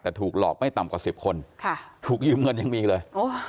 แต่ถูกหลอกไม่ต่ำกว่า๑๐คนถูกยืมเงินยังมีเลย